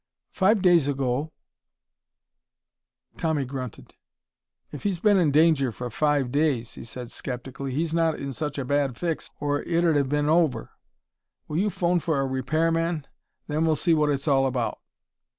Five days ago " Tommy grunted. "If he's been in danger for five days," he said skeptically, "he's not in such a bad fix or it'd have been over. Will you phone for a repairman? Then we'll see what it's all about."